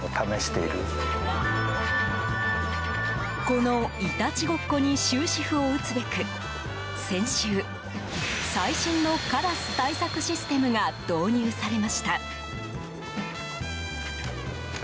この、いたちごっこに終止符を打つべく、先週最新のカラス対策システムが導入されました。